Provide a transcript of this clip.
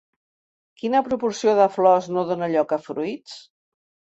Quina proporció de flors no dona lloc a fruits?